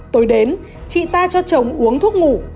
tối đến chị ta cho chồng uống thuốc ngủ